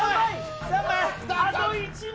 あと１枚。